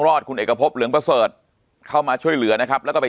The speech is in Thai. คุณเอกพบเหลืองประเสริฐเข้ามาช่วยเหลือนะครับแล้วก็ไป